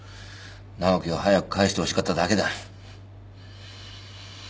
直樹を早く帰してほしかっただけだ。